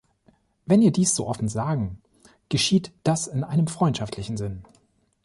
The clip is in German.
Wenn wir ihr dies so offen sagen, geschieht das in einem freundschaftlichen Sinn.